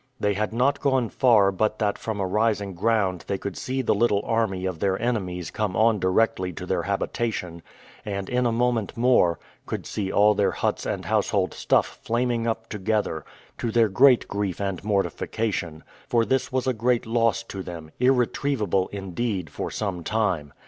They had not gone far but that from a rising ground they could see the little army of their enemies come on directly to their habitation, and, in a moment more, could see all their huts and household stuff flaming up together, to their great grief and mortification; for this was a great loss to them, irretrievable, indeed, for some time.